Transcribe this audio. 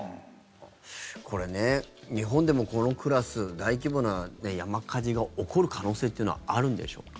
これ日本でもこのクラス大規模な山火事が起こる可能性はあるんでしょうか？